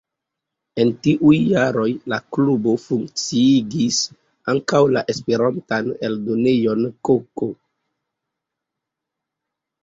En tiuj jaroj la klubo funkciigis ankaŭ la Esperantan eldonejon “Koko”.